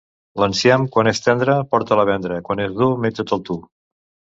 L'enciam, quan és tendre, porta'l a vendre. Quan és dur, menja-te'l tu.